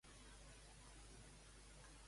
Quina és la cançó que està sonant ara?